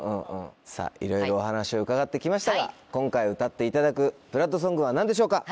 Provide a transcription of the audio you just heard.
さぁいろいろお話を伺って来ましたが今回歌っていただくＢＬＯＯＤＳＯＮＧは何でしょうか？